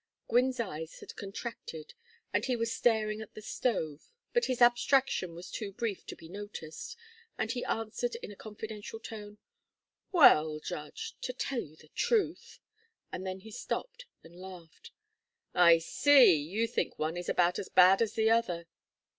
Gwynne's eyes had contracted and he was staring at the stove. But his abstraction was too brief to be noticed, and he answered in a confidential tone, "Well, Judge, to tell you the truth " And then he stopped and laughed. "I see. You think one is about as bad as the other."